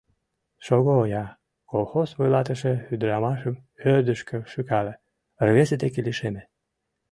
— Шого-я... — колхоз вуйлатыше ӱдырамашым ӧрдыжкӧ шӱкале, рвезе деке лишеме.